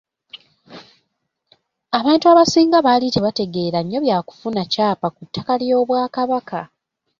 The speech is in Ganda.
Abantu abasinga baali tebategeera nnyo bya kufuna kyapa ku ttaka ly’Obwakabaka.